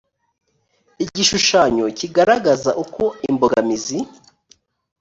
igishushanyo kigaragaza uko imbogamizi